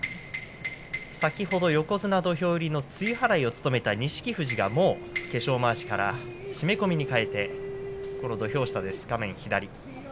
先ほど、横綱土俵入りの露払いを務めた錦富士が化粧まわしから締め込みにかえて土俵下にいます。